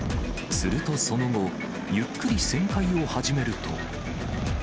するとその後、ゆっくり旋回を始めると。